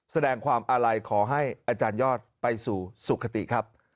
แสดงความอาลัยขอให้อาจารยอดไปสู่สุขติครับ